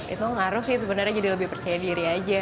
itu ngaruh sih sebenarnya jadi lebih percaya diri aja